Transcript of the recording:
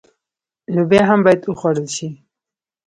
لوبیا هم باید وخوړل شي.